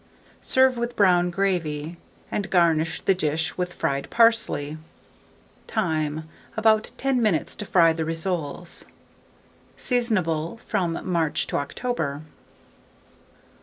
Serve with brown gravy, and garnish the dish with fried parsley. Time. About 10 minutes to fry the rissoles. Seasonable from March to October.